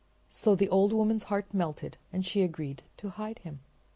So the old woman's heart melted and she agreed to hide him.